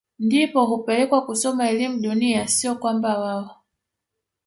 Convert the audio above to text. ndipo hupelekwa kusoma elimu dunia siyo kwamba wao